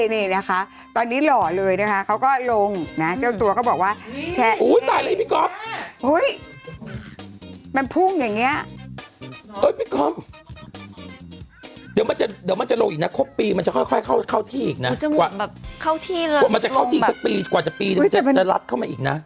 มันจะเข้าทีสักปีกว่าจะปีจะลัดเข้ามาอีกนะ